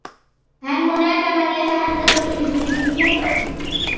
هل هناك من يتحدث الانجليزية ؟